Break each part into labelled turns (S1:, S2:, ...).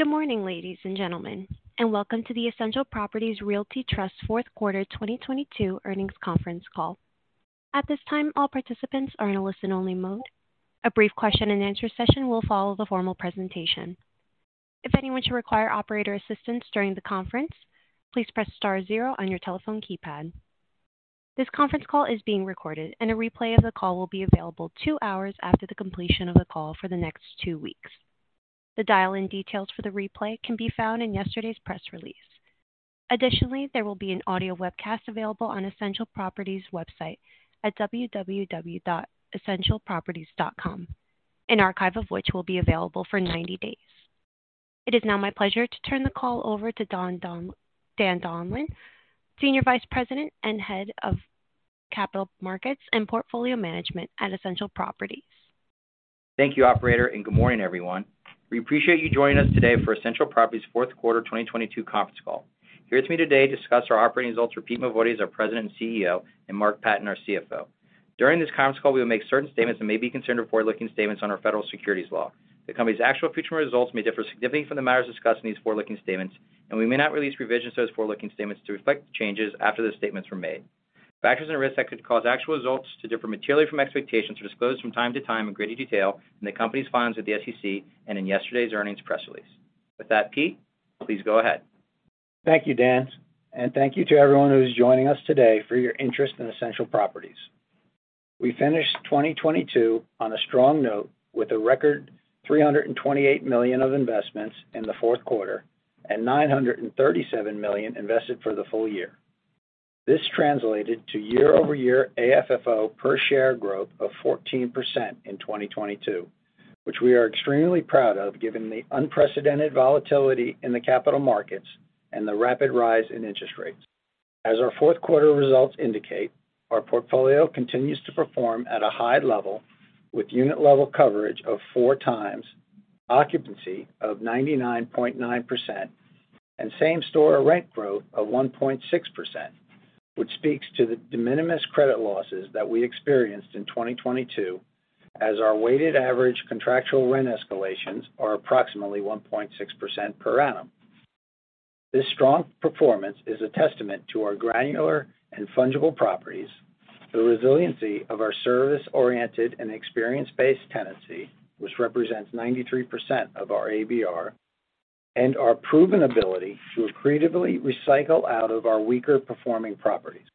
S1: Good morning, ladies and gentlemen, welcome to the Essential Properties Realty Trust Fourth Quarter 2022 Earnings Conference Call. At this time, all participants are in a listen-only mode. A brief question and answer session will follow the formal presentation. If anyone should require operator assistance during the conference, please press star zero on your telephone keypad. This conference call is being recorded, a replay of the call will be available two hours after the completion of the call for the next two weeks. The dial-in details for the replay can be found in yesterday's press release. There will be an audio webcast available on Essential Properties website at www.essentialproperties.com, an archive of which will be available for 90 days. It is now my pleasure to turn the call over to Dan Donlan, Senior Vice President and Head of Capital Markets and Portfolio Management at Essential Properties.
S2: Thank you, operator. Good morning, everyone. We appreciate you joining us today for Essential Properties fourth quarter 2022 conference call. Here with me today to discuss our operating results are Peter Mavoides, our President and CEO, and Mark Patten, our CFO. During this conference call, we will make certain statements that may be considered forward-looking statements under federal securities law. The company's actual future results may differ significantly from the matters discussed in these forward-looking statements, and we may not release revisions to those forward-looking statements to reflect changes after the statements were made. Factors and risks that could cause actual results to differ materially from expectations are disclosed from time to time in greater detail in the company's filings with the SEC and in yesterday's earnings press release. With that, Pete, please go ahead.
S3: Thank you, Dan, and thank you to everyone who's joining us today for your interest in Essential Properties. We finished 2022 on a strong note with a record $328 million of investments in the fourth quarter and $937 million invested for the full year. This translated to year-over-year AFFO per share growth of 14% in 2022, which we are extremely proud of given the unprecedented volatility in the capital markets and the rapid rise in interest rates. As our fourth quarter results indicate, our portfolio continues to perform at a high level with unit-level coverage of 4x, occupancy of 99.9%, and same-store rent growth of 1.6%, which speaks to the de minimis credit losses that we experienced in 2022 as our weighted average contractual rent escalations are approximately 1.6% per annum. This strong performance is a testament to our granular and fungible properties, the resiliency of our service-oriented and experience-based tenancy, which represents 93% of our ABR, and our proven ability to accretively recycle out of our weaker performing properties.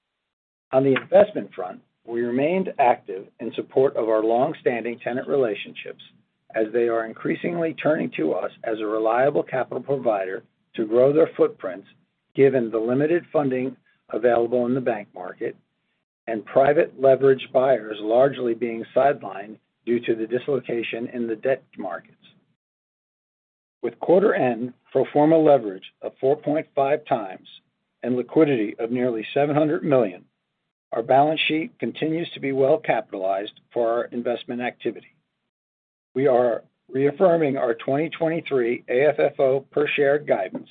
S3: On the investment front, we remained active in support of our long-standing tenant relationships as they are increasingly turning to us as a reliable capital provider to grow their footprints given the limited funding available in the bank market and private leverage buyers largely being sidelined due to the dislocation in the debt markets. With quarter end pro forma leverage of 4.5x and liquidity of nearly $700 million, our balance sheet continues to be well-capitalized for our investment activity. We are reaffirming our 2023 AFFO per share guidance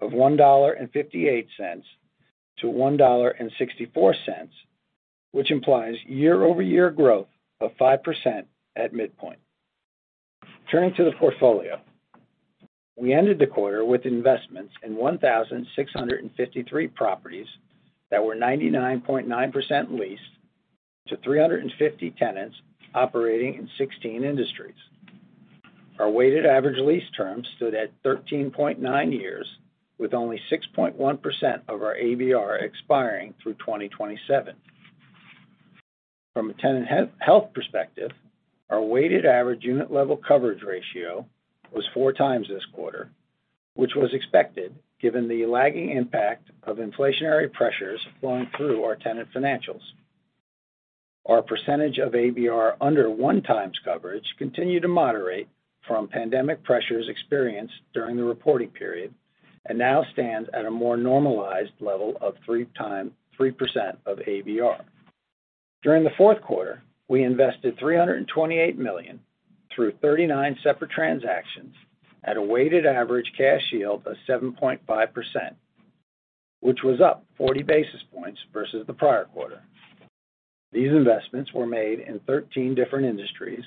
S3: of $1.58-$1.64, which implies year-over-year growth of 5% at midpoint. Turning to the portfolio. We ended the quarter with investments in 1,653 properties that were 99.9% leased to 350 tenants operating in 16 industries. Our weighted average lease terms stood at 13.9 years, with only 6.1% of our ABR expiring through 2027. From a tenant health perspective, our weighted average unit-level coverage ratio was 4x this quarter, which was expected given the lagging impact of inflationary pressures flowing through our tenant financials. Our percentage of ABR under 1x coverage continued to moderate from pandemic pressures experienced during the reporting period and now stands at a more normalized level of 3% of ABR. During the fourth quarter, we invested $328 million through 39 separate transactions at a weighted average cash yield of 7.5%, which was up 40 basis points versus the prior quarter. These investments were made in 13 different industries,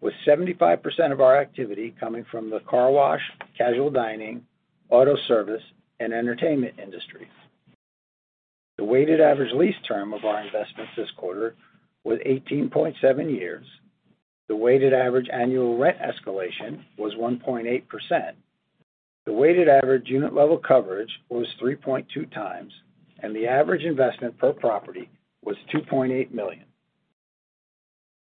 S3: with 75% of our activity coming from the car wash, casual dining, auto service, and entertainment industries. The weighted average lease term of our investments this quarter was 18.7 years. The weighted average annual rent escalation was 1.8%. The weighted average unit-level coverage was 3.2x, and the average investment per property was $2.8 million.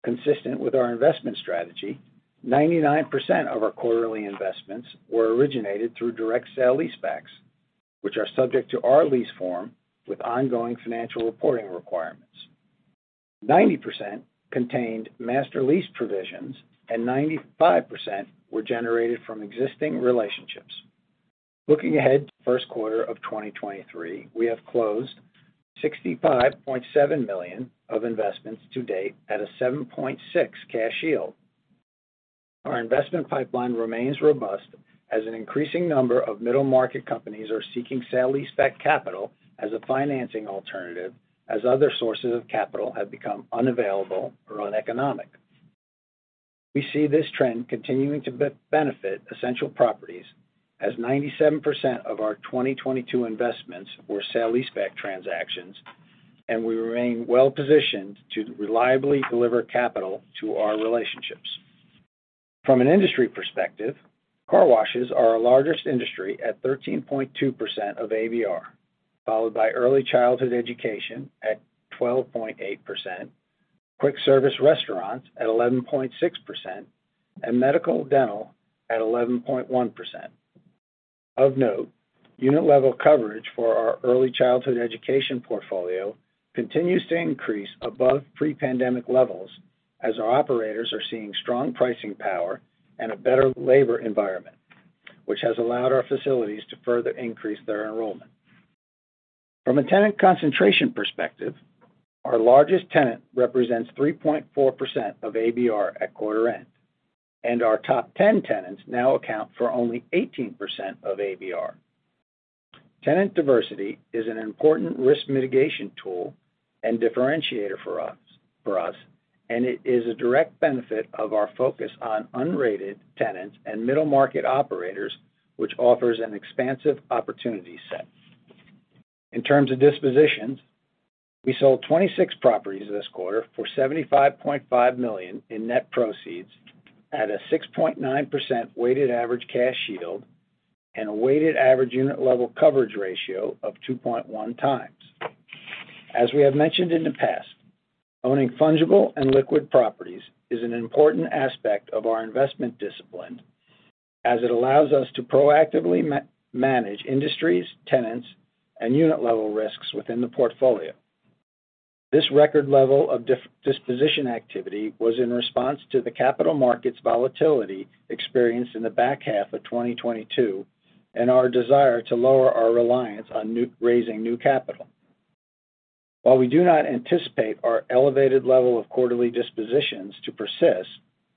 S3: Consistent with our investment strategy, 99% of our quarterly investments were originated through direct sale-leasebacks, which are subject to our lease form with ongoing financial reporting requirements. 90% contained master lease provisions and 95% were generated from existing relationships. Looking ahead to the first quarter of 2023, we have closed $65.7 million of investments to date at a 7.6 cash yield. Our investment pipeline remains robust as an increasing number of middle market companies are seeking sale-leaseback capital as a financing alternative as other sources of capital have become unavailable or uneconomic. We see this trend continuing to benefit Essential Properties as 97% of our 2022 investments were sale-leaseback transactions. We remain well positioned to reliably deliver capital to our relationships. From an industry perspective, car washes are our largest industry at 13.2% of ABR, followed by early childhood education at 12.8%, quick service restaurants at 11.6%, and medical dental at 11.1%. Of note, unit-level coverage for our early childhood education portfolio continues to increase above pre-pandemic levels as our operators are seeing strong pricing power and a better labor environment, which has allowed our facilities to further increase their enrollment. From a tenant concentration perspective, our largest tenant represents 3.4% of ABR at quarter end, and our top 10 tenants now account for only 18% of ABR. Tenant diversity is an important risk mitigation tool and differentiator for us, and it is a direct benefit of our focus on unrated tenants and middle market operators, which offers an expansive opportunity set. In terms of dispositions, we sold 26 properties this quarter for $75.5 million in net proceeds at a 6.9% weighted average cash yield and a weighted average unit-level coverage ratio of 2.1x. As we have mentioned in the past, owning fungible and liquid properties is an important aspect of our investment discipline as it allows us to proactively manage industries, tenants, and unit-level risks within the portfolio. This record level of disposition activity was in response to the capital markets volatility experienced in the back half of 2022 and our desire to lower our reliance on raising new capital. While we do not anticipate our elevated level of quarterly dispositions to persist,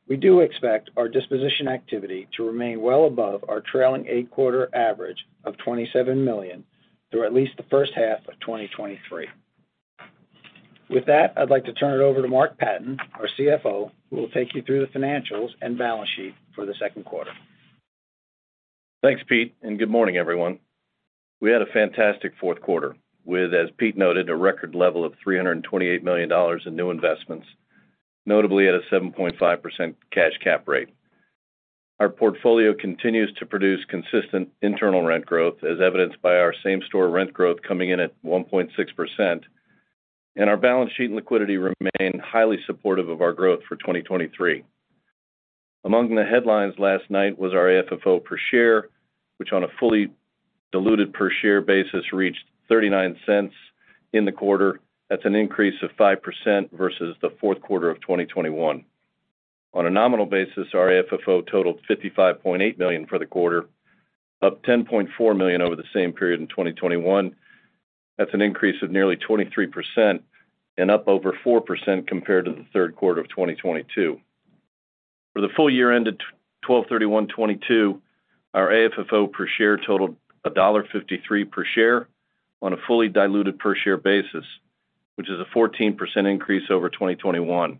S3: we do expect our disposition activity to remain well above our trailing eight-quarter average of $27 million through at least the first half of 2023. With that, I'd like to turn it over to Mark Patten, our CFO, who will take you through the financials and balance sheet for the second quarter.
S4: Thanks, Pete. Good morning, everyone. We had a fantastic fourth quarter with, as Pete noted, a record level of $328 million in new investments, notably at a 7.5% cash cap rate. Our portfolio continues to produce consistent internal rent growth, as evidenced by our same-store rent growth coming in at 1.6%, and our balance sheet and liquidity remain highly supportive of our growth for 2023. Among the headlines last night was our AFFO per share, which on a fully diluted per share basis reached $0.39 in the quarter. That's an increase of 5% versus the fourth quarter of 2021. On a nominal basis, our AFFO totaled $55.8 million for the quarter, up $10.4 million over the same period in 2021. That's an increase of nearly 23% and up over 4% compared to the third quarter of 2022. For the full year ended 12/31/2022, our AFFO per share totaled $1.53 per share on a fully diluted per share basis, which is a 14% increase over 2021.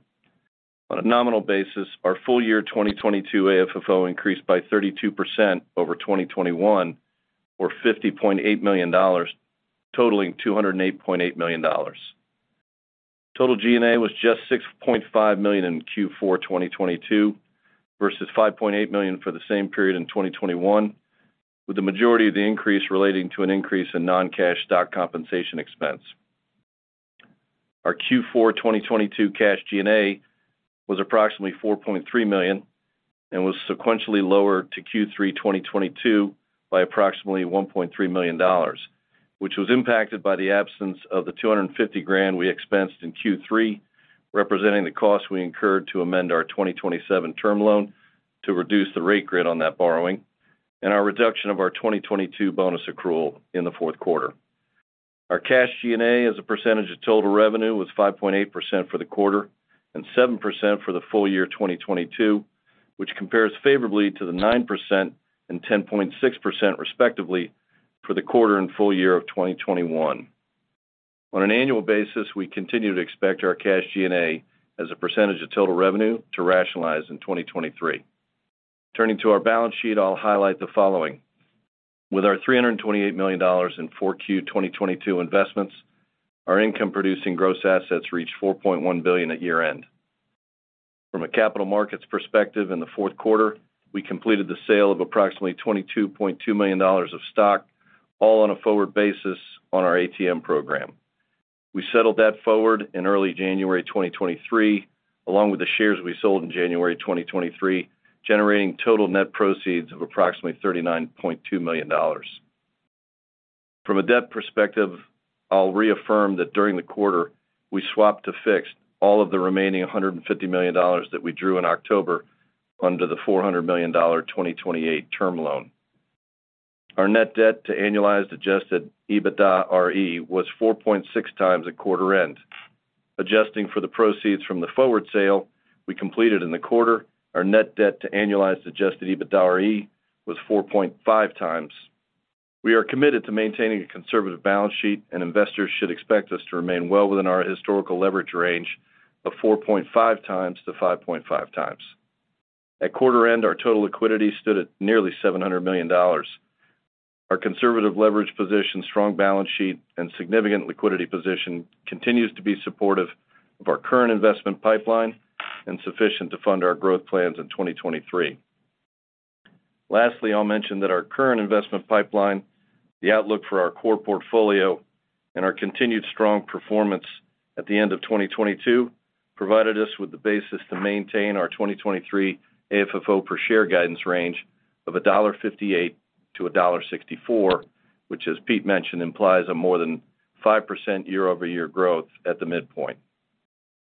S4: On a nominal basis, our full year 2022 AFFO increased by 32% over 2021 or $50.8 million, totaling $208.8 million. Total G&A was just $6.5 million in Q4 2022 versus $5.8 million for the same period in 2021, with the majority of the increase relating to an increase in non-cash stock compensation expense. Our Q4 2022 cash G&A was approximately $4.3 million and was sequentially lower to Q3 2022 by approximately $1.3 million, which was impacted by the absence of the $250,000 we expensed in Q3, representing the cost we incurred to amend our 2027 term loan to reduce the rate grid on that borrowing and our reduction of our 2022 bonus accrual in the fourth quarter. Our cash G&A as a percentage of total revenue was 5.8% for the quarter and 7% for the full year 2022, which compares favorably to the 9% and 10.6% respectively for the quarter and full year of 2021. On an annual basis, we continue to expect our cash G&A as a percentage of total revenue to rationalize in 2023. Turning to our balance sheet, I'll highlight the following. With our $328 million in 4Q 2022 investments, our income producing gross assets reached $4.1 billion at year-end. From a capital markets perspective in the fourth quarter, we completed the sale of approximately $22.2 million of stock, all on a forward basis on our ATM program. We settled that forward in early January 2023, along with the shares we sold in January 2023, generating total net proceeds of approximately $39.2 million. From a debt perspective, I'll reaffirm that during the quarter, we swapped to fixed all of the remaining $150 million that we drew in October under the $400 million 2028 term loan. Our net debt to annualized adjusted EBITDARE was 4.6x at quarter end. Adjusting for the proceeds from the forward sale we completed in the quarter, our net debt to annualized adjusted EBITDARE was 4.5x. We are committed to maintaining a conservative balance sheet. Investors should expect us to remain well within our historical leverage range of 4.5x-5.5x. At quarter end, our total liquidity stood at nearly $700 million. Our conservative leverage position, strong balance sheet, and significant liquidity position continues to be supportive of our current investment pipeline and sufficient to fund our growth plans in 2023. Lastly, I'll mention that our current investment pipeline, the outlook for our core portfolio, and our continued strong performance at the end of 2022 provided us with the basis to maintain our 2023 AFFO per share guidance range of $1.58-$1.64, which, as Pete mentioned, implies a more than 5% year-over-year growth at the midpoint.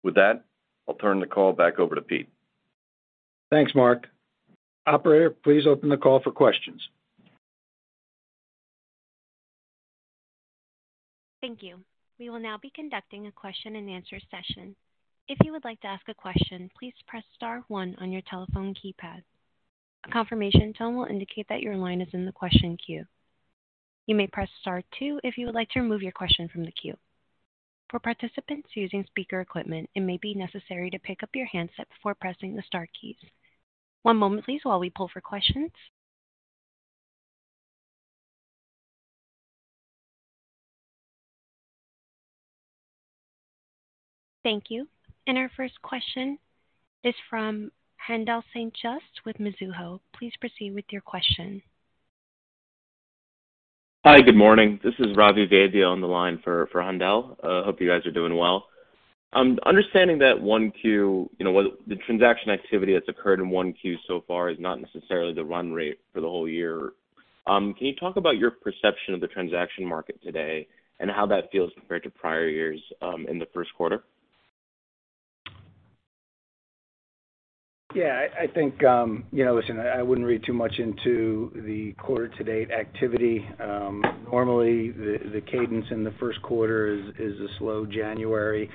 S4: With that, I'll turn the call back over to Pete.
S3: Thanks, Mark. Operator, please open the call for questions.
S1: Thank you. We will now be conducting a question-and-answer session. If you would like to ask a question, please press star one on your telephone keypad. A confirmation tone will indicate that your line is in the question queue. You may press star two if you would like to remove your question from the queue. For participants using speaker equipment, it may be necessary to pick up your handset before pressing the star keys. One moment please, while we pull for questions. Thank you. Our first question is from Haendel St. Juste with Mizuho. Please proceed with your question.
S5: Hi, good morning. This is Ravi Vaidya on the line for Haendel. Hope you guys are doing well. Understanding that 1Q, you know, the transaction activity that's occurred in 1Q so far is not necessarily the run rate for the whole year. Can you talk about your perception of the transaction market today and how that feels compared to prior years in the first quarter?
S3: Yeah, I think, you know, listen, I wouldn't read too much into the quarter to date activity. Normally the cadence in the first quarter is a slow January,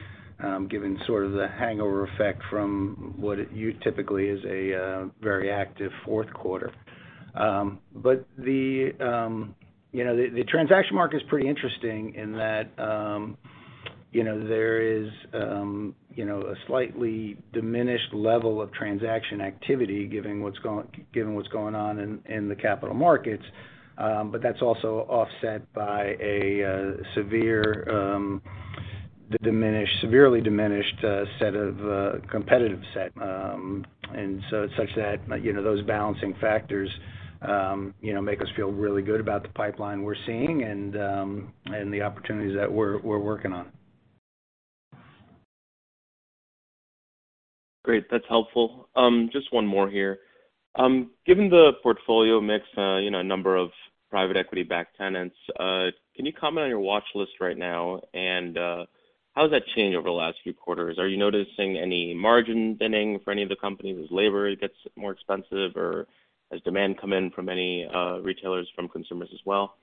S3: given sort of the hangover effect from what you typically is a very active fourth quarter. The, you know, the transaction market is pretty interesting in that, you know, there is, you know, a slightly diminished level of transaction activity given what's going on in the capital markets. That's also offset by a severe, severely diminished set of competitive set. Such that, you know, those balancing factors, you know, make us feel really good about the pipeline we're seeing and the opportunities that we're working on.
S5: Great. That's helpful. Just one more here. Given the portfolio mix, you know, number of private equity-backed tenants, can you comment on your watch list right now and how has that changed over the last few quarters? Are you noticing any margin thinning for any of the companies as labor gets more expensive or has demand come in from any retailers from consumers as well?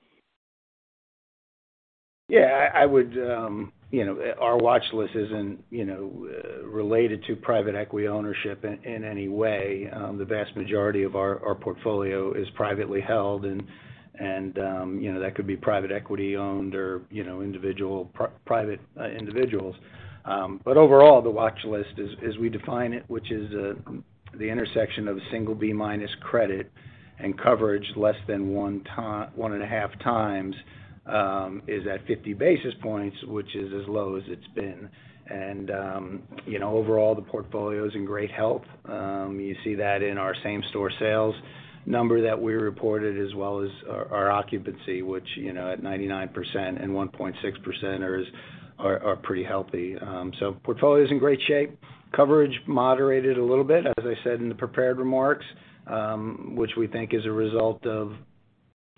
S3: Yeah, I would, you know, our watch list isn't, you know, related to private equity ownership in any way. The vast majority of our portfolio is privately held and, you know, that could be private equity owned or, you know, private individuals. Overall, the watch list as we define it, which is the intersection of a single B- credit and coverage less than 1.5x, is at 50 basis points, which is as low as it's been. You know, overall, the portfolio is in great health. You see that in our same-store sales number that we reported as well as our occupancy, which, you know, at 99% and 1.6% are pretty healthy. Portfolio is in great shape. Coverage moderated a little bit, as I said in the prepared remarks, which we think is a result of,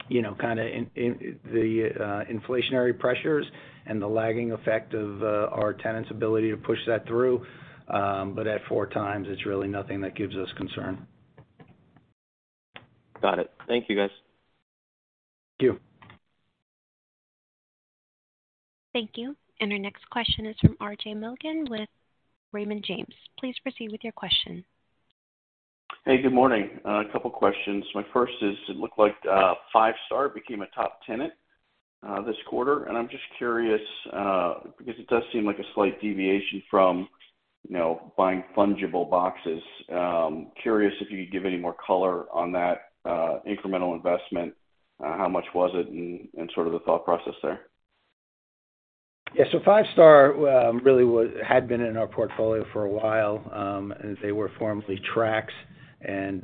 S3: you know, kind of in the inflationary pressures and the lagging effect of our tenants' ability to push that through. At 4x, it's really nothing that gives us concern.
S5: Got it. Thank you, guys.
S3: Thank you.
S1: Thank you. Our next question is from RJ Milligan with Raymond James. Please proceed with your question.
S6: Hey, good morning. A couple of questions. My first is, it looked like Five Star became a top tenant this quarter. I'm just curious because it does seem like a slight deviation from, you know, buying fungible boxes. Curious if you could give any more color on that incremental investment, how much was it and sort of the thought process there?
S3: Five Star, had been in our portfolio for a while, and they were formerly Tracks. You know, they, and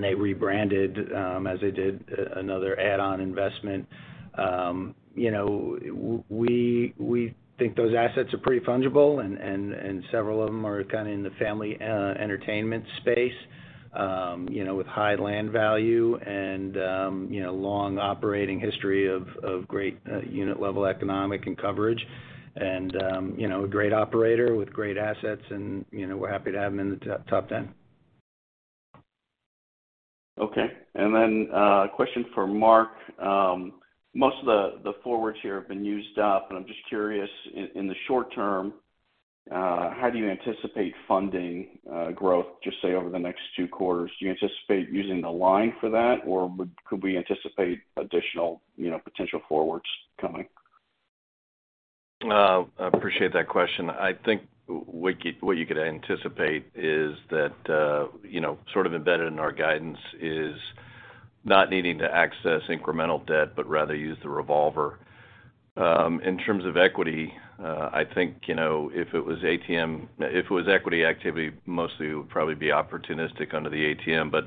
S3: they rebranded, as they did another add-on investment. You know, we think those assets are pretty fungible, and several of them are kind of in the family, entertainment space, you know, with high land value and, you know, long operating history of great, unit-level economic and coverage and, you know, a great operator with great assets and, you know, we're happy to have them in the top 10.
S6: Okay. A question for Mark. Most of the forwards here have been used up, and I'm just curious in the short term. How do you anticipate funding, growth, just say over the next 2 quarters? Do you anticipate using the line for that, or could we anticipate additional, you know, potential forwards coming?
S4: I appreciate that question. I think what you could anticipate is that, you know, sort of embedded in our guidance is not needing to access incremental debt, but rather use the revolver. In terms of equity, I think, you know, if it was ATM if it was equity activity, mostly it would probably be opportunistic under the ATM, but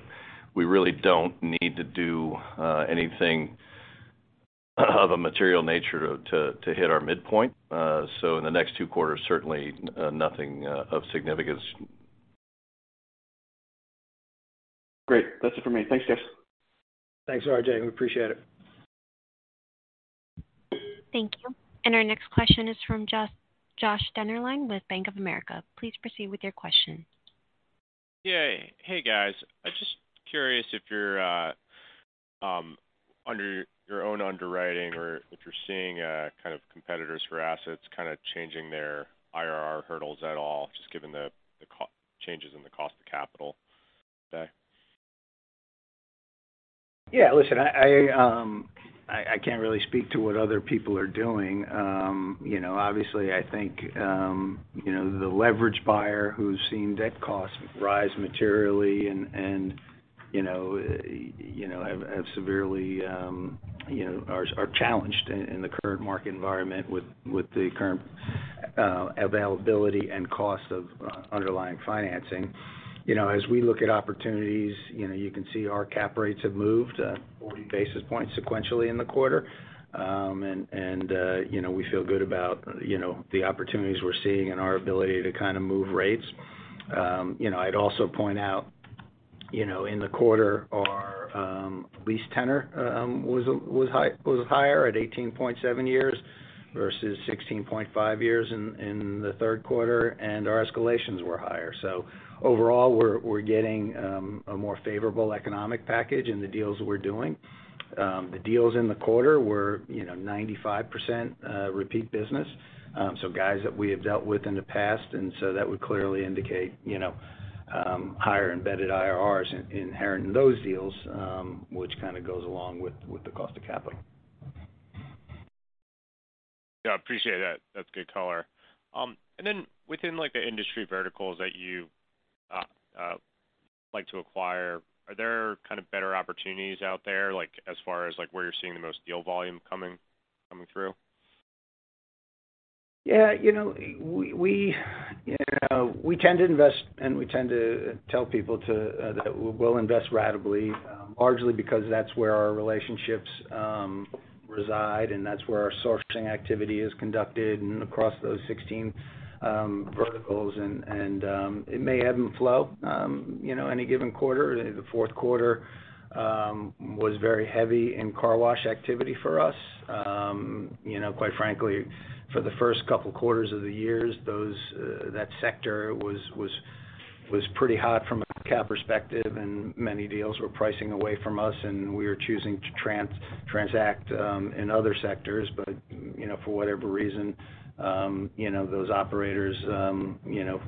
S4: we really don't need to do anything of a material nature to hit our midpoint. So in the next two quarters, certainly nothing of significance.
S6: Great. That's it for me. Thanks, guys.
S3: Thanks, RJ. We appreciate it.
S1: Thank you. Our next question is from Joshua Dennerlein with Bank of America. Please proceed with your question.
S7: Yeah. Hey, guys. I'm just curious if you're under your own underwriting or if you're seeing kind of competitors for assets kind of changing their IRR hurdles at all, just given the changes in the cost of capital today?
S3: Yeah. Listen, I can't really speak to what other people are doing. You know, obviously, I think, you know, the leverage buyer who's seen debt costs rise materially and, you know, have severely, you know, are challenged in the current market environment with the current availability and cost of underlying financing. You know, as we look at opportunities, you know, you can see our cap rates have moved 40 basis points sequentially in the quarter. You know, we feel good about, you know, the opportunities we're seeing and our ability to kind of move rates. You know, I'd also point out, you know, in the quarter, our lease tenor was higher at 18.7 years versus 16.5 years in the third quarter, and our escalations were higher. Overall, we're getting a more favorable economic package in the deals that we're doing. The deals in the quarter were, you know, 95% repeat business. Guys that we have dealt with in the past, that would clearly indicate, you know, higher embedded IRRs inherent in those deals, which kind of goes along with the cost of capital.
S7: Yeah, I appreciate that. That's good color. Within like the industry verticals that you like to acquire, are there kind of better opportunities out there, like as far as like where you're seeing the most deal volume coming through?
S3: Yeah. You know, we, you know, we tend to invest, and we tend to tell people to that we'll invest ratably, largely because that's where our relationships reside and that's where our sourcing activity is conducted and across those 16 verticals. It may ebb and flow, you know, any given quarter. The fourth quarter was very heavy in car wash activity for us. You know, quite frankly, for the first couple quarters of the years, those that sector was pretty hot from a cap perspective, and many deals were pricing away from us, and we were choosing to transact in other sectors. You know, for whatever reason, you know, those operators, you know,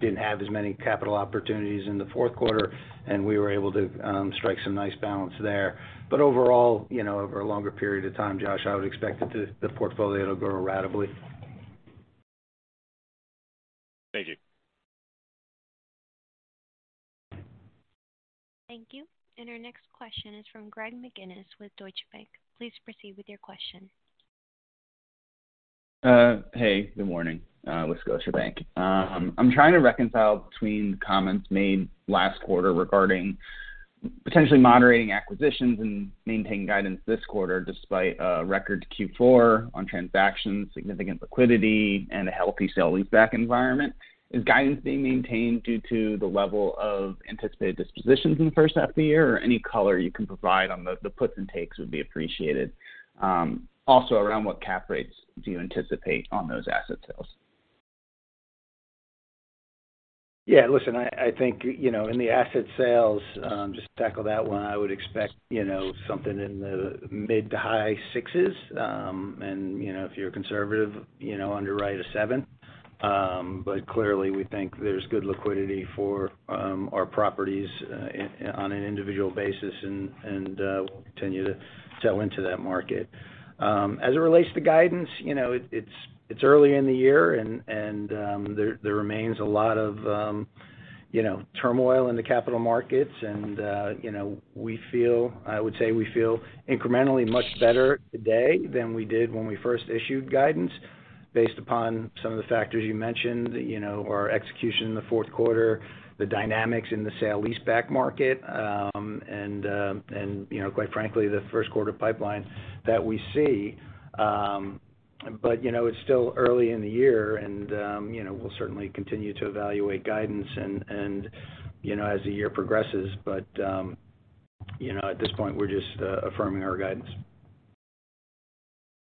S3: didn't have as many capital opportunities in the fourth quarter, and we were able to strike some nice balance there. Overall, you know, over a longer period of time, Josh, I would expect the portfolio to grow ratably.
S7: Thank you.
S1: Thank you. Our next question is from Greg McGinniss with Deutsche Bank. Please proceed with your question.
S8: Hey, good morning. With Scotiabank. I'm trying to reconcile between the comments made last quarter regarding potentially moderating acquisitions and maintaining guidance this quarter despite a record Q4 on transactions, significant liquidity and a healthy sale-leaseback environment. Is guidance being maintained due to the level of anticipated dispositions in the first half of the year? Any color you can provide on the puts and takes would be appreciated. Also around what cap rates do you anticipate on those asset sales?
S3: Yeah. Listen, I think, you know, in the asset sales, just to tackle that one, I would expect, you know, something in the mid to high sixes. You know, if you're a conservative, you know, underwrite a 7. Clearly we think there's good liquidity for our properties on an individual basis and we'll continue to sell into that market. As it relates to guidance, you know, it's early in the year and there remains a lot of, you know, turmoil in the capital markets and, you know, I would say we feel incrementally much better today than we did when we first issued guidance based upon some of the factors you mentioned, you know, our execution in the fourth quarter, the dynamics in the sale-leaseback market, and, you know, quite frankly, the first quarter pipeline that we see. You know, it's still early in the year and, you know, we'll certainly continue to evaluate guidance and, you know, as the year progresses. You know, at this point, we're just affirming our guidance.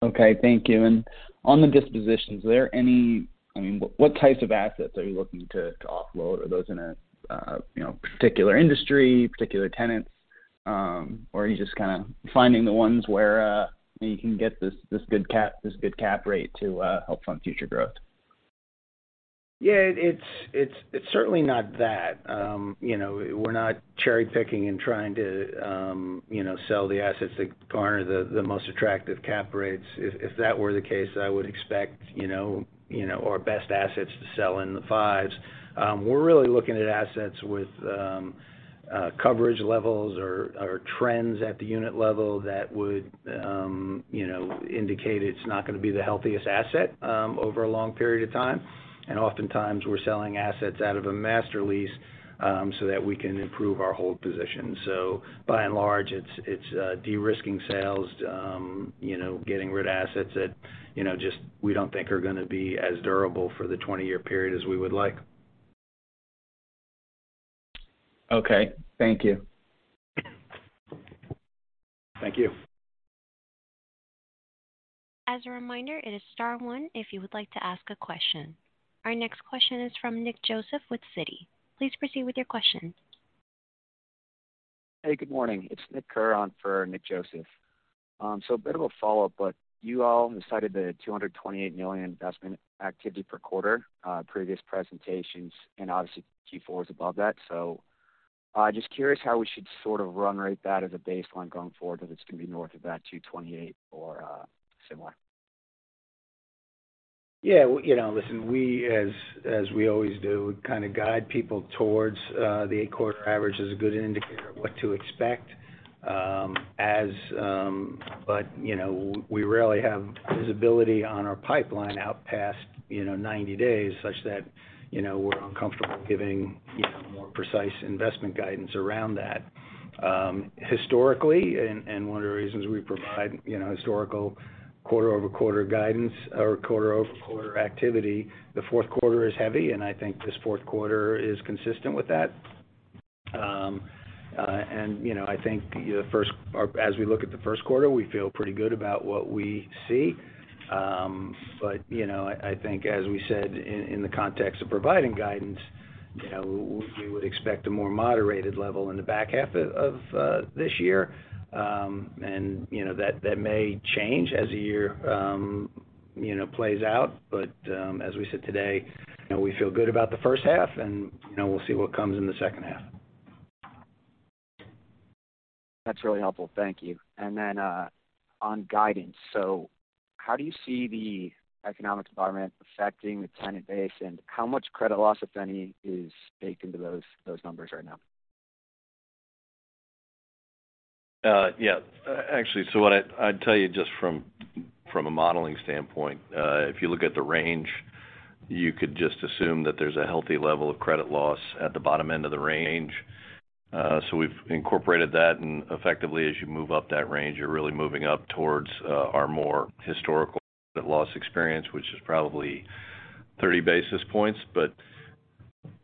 S8: Okay. Thank you. On the dispositions, are there any, I mean, what types of assets are you looking to offload? Are those in a, you know, particular industry, particular tenants? Or are you just kind of finding the ones where, you know, you can get this good cap rate to help fund future growth?
S3: Yeah, it's certainly not that. You know, we're not cherry-picking and trying to, you know, sell the assets that garner the most attractive cap rates. If that were the case, I would expect, you know, our best assets to sell in the 5s. We're really looking at assets with coverage levels or trends at the unit level that would, you know, indicate it's not gonna be the healthiest asset over a long period of time. Oftentimes we're selling assets out of a master lease so that we can improve our hold position. By and large, it's de-risking sales, you know, getting rid of assets that, you know, just we don't think are gonna be as durable for the 20-year period as we would like.
S8: Okay. Thank you.
S3: Thank you.
S1: As a reminder, it is star one if you would like to ask a question. Our next question is from Nick Joseph with Citi. Please proceed with your question.
S9: Hey, good morning. It's Nick Kerr on for Nick Joseph. A bit of a follow-up. You all have cited the $228 million investment activity per quarter, previous presentations, and obviously Q4 is above that. Just curious how we should sort of run rate that as a baseline going forward, if it's gonna be north of that 228 or similar.
S3: Yeah. You know, listen, we as we always do, kind of guide people towards the 8-quarter average as a good indicator of what to expect. You know, we rarely have visibility on our pipeline out past, you know, 90 days such that, you know, we're uncomfortable giving, you know, more precise investment guidance around that. Historically, one of the reasons we provide, you know, historical quarter-over-quarter guidance or quarter-over-quarter activity, the fourth quarter is heavy, and I think this fourth quarter is consistent with that. You know, as we look at the first quarter, we feel pretty good about what we see. You know, I think as we said in the context of providing guidance, you know, we would expect a more moderated level in the back half of this year. You know, that may change as the year, you know, plays out. As we said today, you know, we feel good about the first half and, you know, we'll see what comes in the second half.
S9: That's really helpful. Thank you. Then, on guidance. How do you see the economic environment affecting the tenant base, and how much credit loss, if any, is baked into those numbers right now?
S4: Yeah, actually, what I'd tell you just from a modeling standpoint, if you look at the range, you could just assume that there's a healthy level of credit loss at the bottom end of the range. We've incorporated that, effectively as you move up that range, you're really moving up towards our more historical loss experience, which is probably 30 basis points.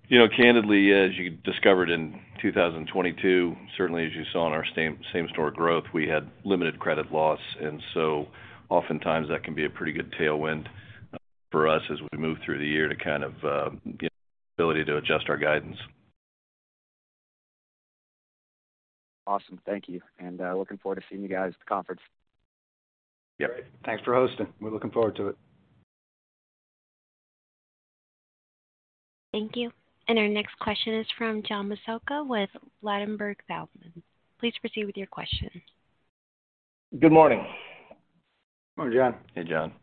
S4: You know, candidly, as you discovered in 2022, certainly as you saw in our same-store growth, we had limited credit loss. Oftentimes that can be a pretty good tailwind, for us as we move through the year to kind of, get the ability to adjust our guidance.
S9: Awesome. Thank you. Looking forward to seeing you guys at the conference.
S3: Yep. Thanks for hosting. We're looking forward to it.
S1: Thank you. Our next question is from John Massocca with Ladenburg Thalmann. Please proceed with your question.
S10: Good morning.
S3: Morning, John.
S4: Hey, John.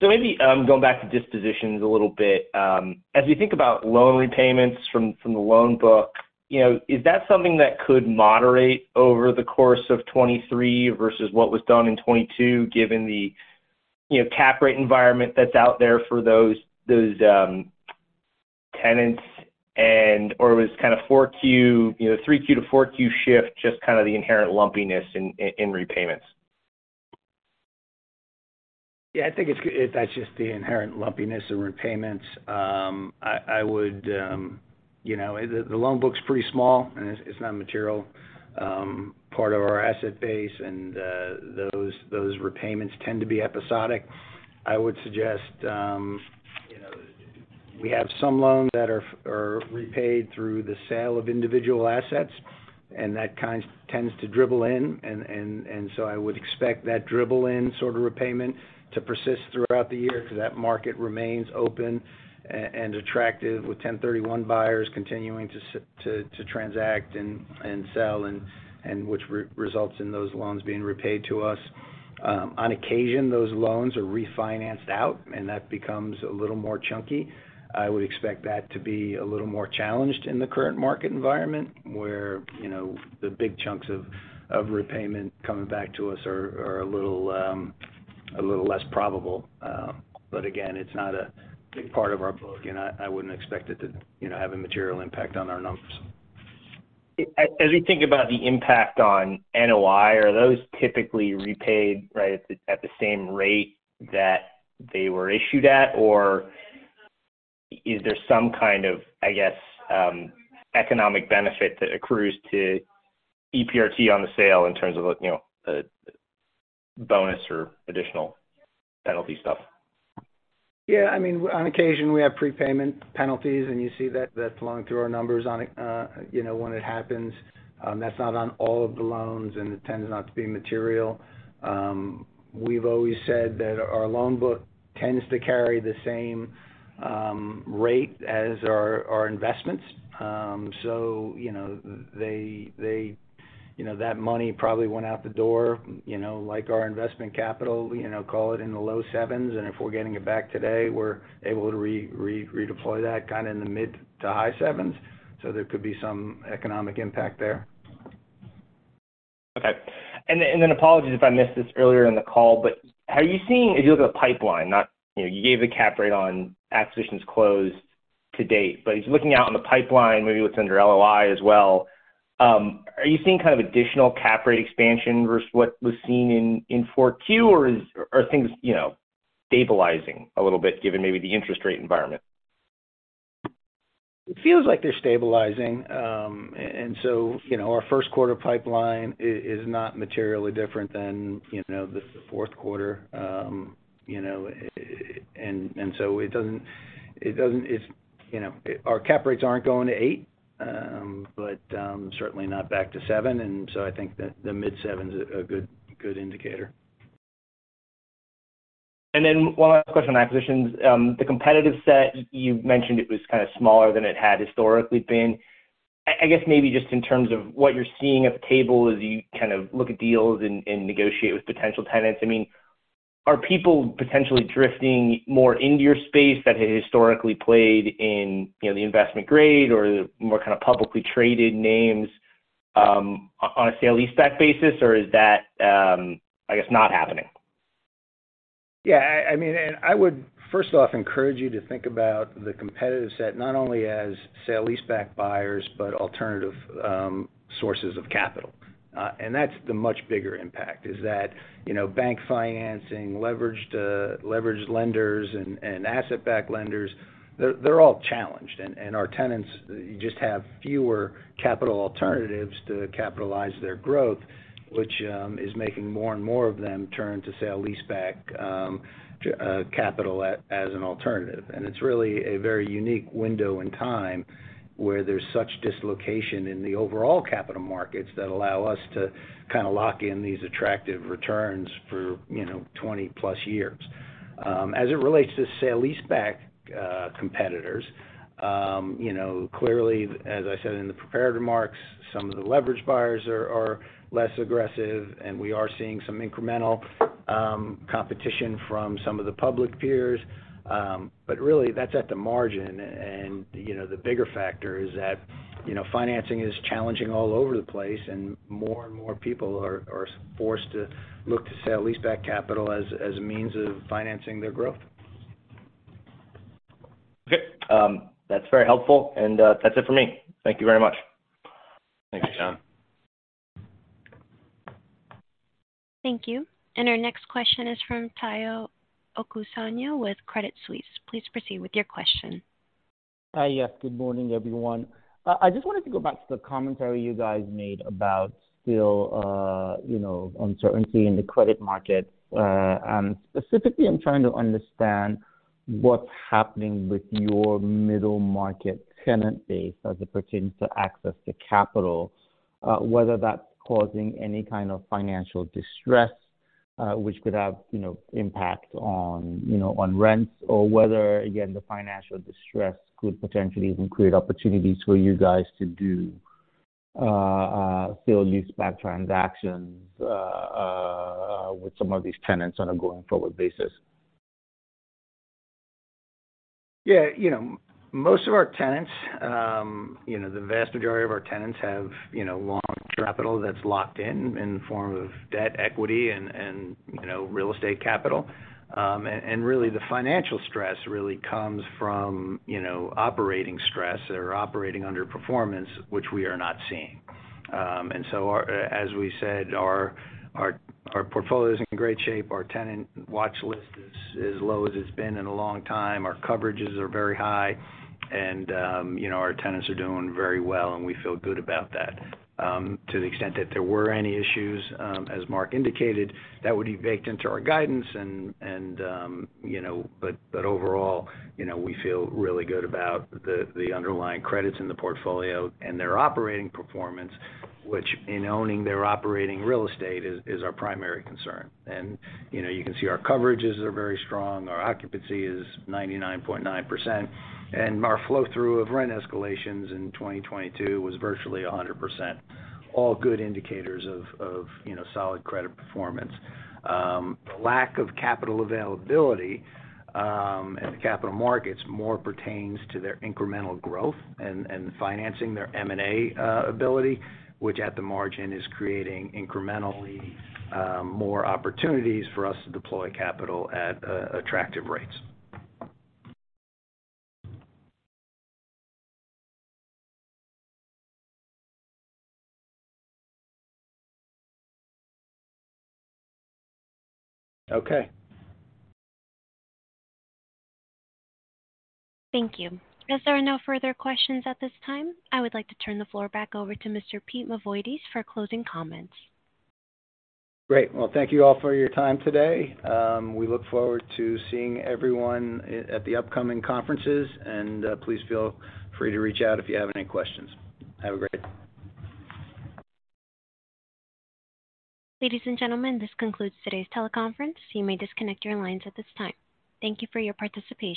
S10: Maybe, going back to dispositions a little bit. As you think about loan repayments from the loan book, you know, is that something that could moderate over the course of 2023 versus what was done in 2022, given the, you know, cap rate environment that's out there for those tenants or was kind of 4Q, you know, 3Q to 4Q shift just kind of the inherent lumpiness in repayments?
S3: Yeah, I think that's just the inherent lumpiness in repayments. I would, you know, the loan book's pretty small and it's not a material part of our asset base, and those repayments tend to be episodic. I would suggest, you know, we have some loans that are repaid through the sale of individual assets, and that kind tends to dribble in. I would expect that dribble in sort of repayment to persist throughout the year because that market remains open and attractive with 1031 buyers continuing to transact and sell and which results in those loans being repaid to us. On occasion, those loans are refinanced out, and that becomes a little more chunky. I would expect that to be a little more challenged in the current market environment where, you know, the big chunks of repayment coming back to us are a little, a little less probable. Again, it's not a big part of our book, and I wouldn't expect it to, you know, have a material impact on our numbers.
S10: As we think about the impact on NOI, are those typically repaid, right, at the same rate that they were issued at? Or is there some kind of, I guess, economic benefit that accrues to EPRT on the sale in terms of, you know, bonus or additional penalty stuff?
S3: Yeah, I mean, on occasion we have prepayment penalties, and you see that's flowing through our numbers on a, you know, when it happens. That's not on all of the loans, and it tends not to be material. We've always said that our loan book tends to carry the same rate as our investments. You know, they, you know, that money probably went out the door, you know, like our investment capital, you know, call it in the low sevens. If we're getting it back today, we're able to redeploy that kinda in the mid to high sevens. There could be some economic impact there.
S10: Apologies if I missed this earlier in the call, but how are you seeing... If you look at the pipeline, not, you know, you gave the cap rate on acquisitions closed to date, but just looking out in the pipeline, maybe what's under LOI as well, are you seeing kind of additional cap rate expansion versus what was seen in 4Q, or are things, you know, stabilizing a little bit given maybe the interest rate environment?
S3: It feels like they're stabilizing. You know, our first quarter pipeline is not materially different than, you know, the fourth quarter. You know, and so it doesn't, it's, you know, our cap rates aren't going to eight, but, certainly not back to seven. I think that the mid sevens a good indicator.
S10: One last question on acquisitions. The competitive set, you mentioned it was kind of smaller than it had historically been. I guess maybe just in terms of what you're seeing at the table as you kind of look at deals and negotiate with potential tenants. I mean, are people potentially drifting more into your space that had historically played in, you know, the investment grade or the more kind of publicly traded names on a sale-leaseback basis? Or is that, I guess, not happening?
S3: Yeah, I mean, and I would first off encourage you to think about the competitive set, not only as sale-leaseback buyers, but alternative sources of capital. That's the much bigger impact, is that, you know, bank financing, leveraged lenders and asset-backed lenders, they're all challenged. Our tenants just have fewer capital alternatives to capitalize their growth, which is making more and more of them turn to sale-leaseback capital as an alternative. It's really a very unique window in time where there's such dislocation in the overall capital markets that allow us to kind of lock in these attractive returns for, you know, 20+ years. As it relates to sale-leaseback, competitors, you know, clearly, as I said in the prepared remarks, some of the leveraged buyers are less aggressive, and we are seeing some incremental competition from some of the public peers. Really that's at the margin. You know, the bigger factor is that, you know, financing is challenging all over the place, and more and more people are forced to look to sale-leaseback capital as a means of financing their growth.
S10: Okay. That's very helpful. That's it for me. Thank you very much.
S3: Thanks, John.
S1: Thank you. Our next question is from Omotayo Okusanya with Credit Suisse. Please proceed with your question.
S11: Hi. Yes, good morning, everyone. I just wanted to go back to the commentary you guys made about still, you know, uncertainty in the credit markets. Specifically, I'm trying to understand what's happening with your middle market tenant base as it pertains to access to capital, whether that's causing any kind of financial distress, which could have, you know, impact on, you know, on rents. Whether, again, the financial distress could potentially even create opportunities for you guys to do, sale-leaseback transactions, with some of these tenants on a going-forward basis.
S3: Yeah. You know, most of our tenants, you know, the vast majority of our tenants have, you know, long capital that's locked in the form of debt equity and, you know, real estate capital. Really the financial stress really comes from, you know, operating stress or operating under performance, which we are not seeing. As we said, our portfolio is in great shape. Our tenant watch list is as low as it's been in a long time. Our coverages are very high. You know, our tenants are doing very well, and we feel good about that. To the extent that there were any issues, as Mark indicated, that would be baked into our guidance and, you know. Overall, you know, we feel really good about the underlying credits in the portfolio and their operating performance, which in owning their operating real estate is our primary concern. You know, you can see our coverages are very strong. Our occupancy is 99.9%. Our flow through of rent escalations in 2022 was virtually 100%. All good indicators of, you know, solid credit performance. Lack of capital availability, and the capital markets more pertains to their incremental growth and financing their M&A ability, which at the margin is creating incrementally more opportunities for us to deploy capital at attractive rates. Okay.
S1: Thank you. As there are no further questions at this time, I would like to turn the floor back over to Mr. Pete Mavoides for closing comments.
S3: Great. Well, thank you all for your time today. We look forward to seeing everyone at the upcoming conferences. Please feel free to reach out if you have any questions. Have a great day.
S1: Ladies and gentlemen, this concludes today's teleconference. You may disconnect your lines at this time. Thank you for your participation.